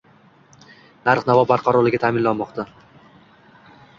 Narx-navo barqarorligi ta’minlanmoqda